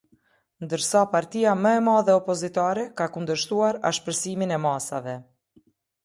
Ndërsa partia më e madhe opozitare ka kundërshtuar ashpërsimin e masave.